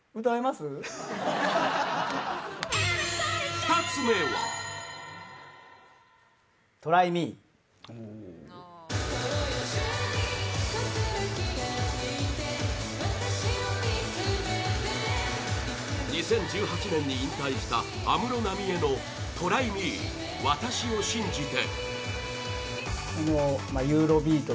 ２つ目は２０１８年に引退した安室奈美恵の「ＴＲＹＭＥ私を信じて」